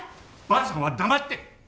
ばあさんは黙って！